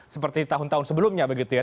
seperti tahun tahun sebelumnya begitu ya